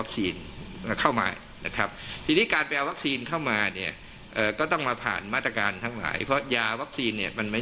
การรับการรับการตั้งสำเร็จน่าที่มีบุคคล